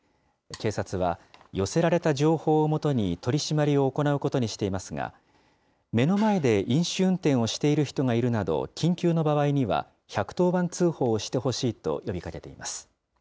警察は、寄せられた情報をもとに取締りを行うことにしていますが、目の前で飲酒運転をしている人がいるなど、緊急の場合には１１０番通報をしてほしいと呼びかけています。